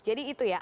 jadi itu ya